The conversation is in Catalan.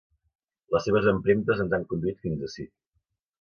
Les seves empremtes ens han conduït fins ací.